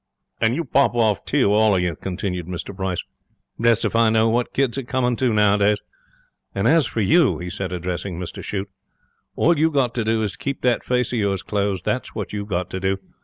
'And you pop off, too, all of you,' continued Mr Bryce. 'Blest if I know what kids are coming to nowadays. And as for you,' he said, addressing Mr Shute, 'all you've got to do is to keep that face of yours closed. That's what you've got to do.